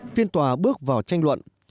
phiên tòa bước vào tranh luận